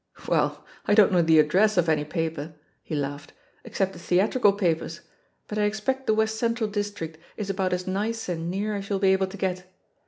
"Well, I don't know the address of any pa per," he laughed, "except the theatrical papers, but I expect the West Central district is about as nice and near as you'll be able to get.